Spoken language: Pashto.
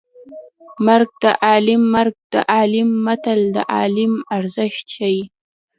مرګ د عالیم مرګ د عالیم متل د عالم ارزښت ښيي